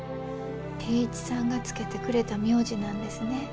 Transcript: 定一さんが付けてくれた名字なんですね。